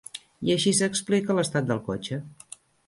I així s'explica l'estat del cotxe.